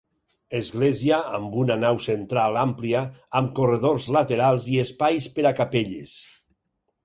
Església amb una nau central àmplia, amb corredors laterals i espais per a capelles.